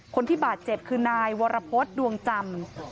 คนที่บาดเจ็บคือนายวรพฤษดวงจำ